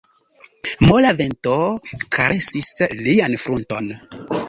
Mola vento karesis lian frunton.